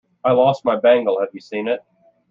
I lost my bangle have you seen it?